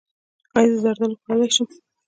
ایا زه زردالو خوړلی شم؟